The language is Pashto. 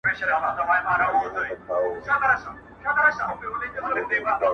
سیاه پوسي ده، خُم چپه پروت دی~